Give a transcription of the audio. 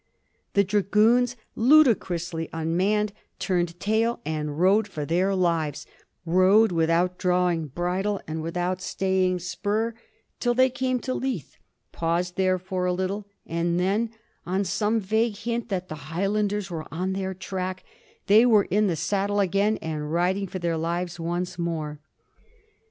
The dragoons, ludicrously unmanned, turned tail and rode for their lives, rode without drawing bridle and without stay ing spur till they came to Leith, paused there for a little, and then, on some vague hint that the Highlanders were on their track, they were in the saddle again and riding for their lives once more.